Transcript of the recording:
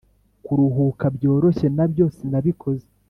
kuruhuka byoroshye nabyo sinabikoze